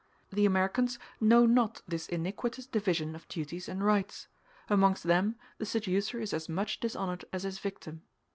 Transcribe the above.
The Americans know not this iniquitous division of duties and rights; amongst them the seducer is as much dishonored as his victim.